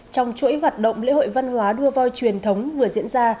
trong chuỗi hoạt động lễ hội văn hóa đua voi truyền thống vừa diễn ra